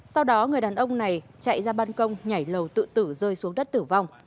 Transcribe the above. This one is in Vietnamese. sau đó người đàn ông này chạy ra ban công nhảy lầu tự tử rơi xuống đất tử vong